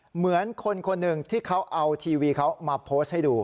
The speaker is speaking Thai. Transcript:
เหมือนคนคนหนึ่งที่เขาเอาทีวีเขามาโพสต์ให้ดู